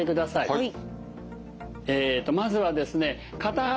はい。